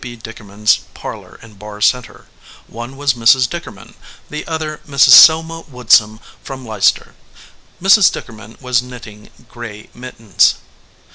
B. Dickerman s parlor in Barr Center. One was Mrs. Dick erman, the other Mrs. Selma Woodsum from Leicester. Mrs. Dickerman was knitting gray mittens.